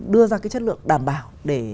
đưa ra cái chất lượng đảm bảo